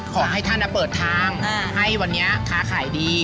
ขอให้ท่านเปิดทางให้วันนี้ค้าขายดี